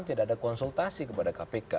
tidak ada konsultasi kepada kpk